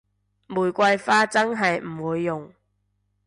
玫瑰花真係唔會用